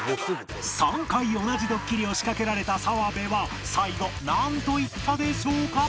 ３回同じドッキリを仕掛けられた澤部は最後なんと言ったでしょうか？